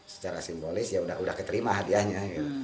secara simbolis ya sudah keterima hadiahnya